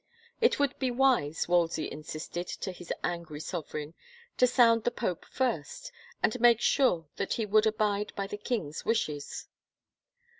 It would be wise, Wolsey in sisted to his angry sovereign, to sound the pope first, and make sure that he would abide by the king's wishes.